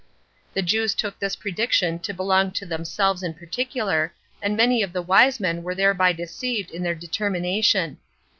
The Jews took this prediction to belong to themselves in particular, and many of the wise men were thereby deceived in their determination.